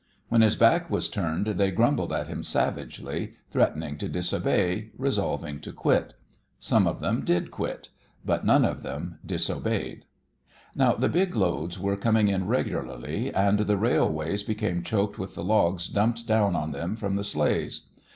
When his back was turned they grumbled at him savagely, threatening to disobey, resolving to quit. Some of them did quit: but none of them disobeyed. Now the big loads were coming in regularly, and the railways became choked with the logs dumped down on them from the sleighs.